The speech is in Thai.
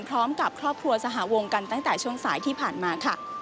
พร้อมกับครอบครัวสหวงกันตั้งแต่ช่วงสายที่ผ่านมาค่ะ